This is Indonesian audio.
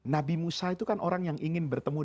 nabi musa itu kan orang yang ingin bertemu